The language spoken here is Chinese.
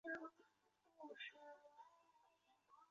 多家音乐学院有提供写作歌曲的文凭及学位课程。